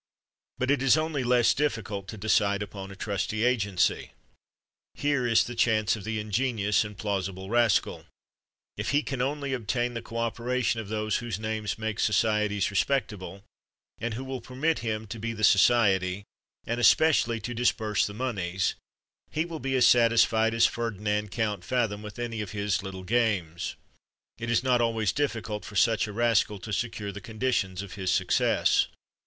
But it is only less difficult to decide upon a trusty agency. Here is the chance of the ingenious and plausible rascal. If he can only obtain the co operation of those whose names make societies respectable, and who will permit him to be the society, and especially to disburse the moneys, he will be as satisfied as Ferdinand Count Fathom with any of his "little games." It is not always difficult for such a rascal to secure the conditions of his success.